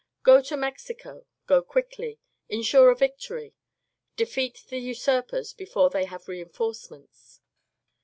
Go to Mexico : go quickly : ensure a victory. Defeat the usurpers before they have reinforcements.